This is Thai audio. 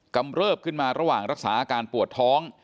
เริบขึ้นมาระหว่างรักษาอาการปวดท้อง